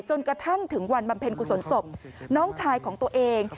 จนกระทั่งถึงวันบำเพ็ญกุศลศพน้องชายของตัวเอง